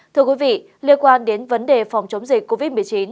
thưa quý vị liên quan đến vấn đề phòng chống dịch covid một mươi chín